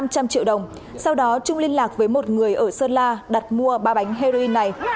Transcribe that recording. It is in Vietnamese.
năm trăm linh triệu đồng sau đó trung liên lạc với một người ở sơn la đặt mua ba bánh heroin này